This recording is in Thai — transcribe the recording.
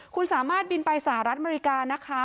คุณสามารถบินไปสหรัฐอเมริกานะคะ